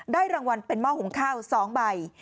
รางวัลเป็นหม้อหุงข้าว๒ใบ